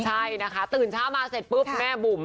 ใช่นะคะตื่นเช้ามาเสร็จปุ๊บแม่บุ๋ม